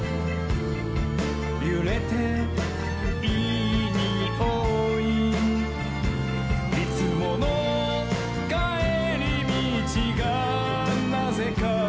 「ゆれていいにおい」「いつものかえりみちがなぜか」